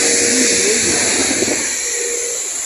Ninheira